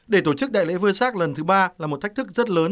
để tổ chức đại lễ vơ sắc lần thứ ba là một thách thức rất lớn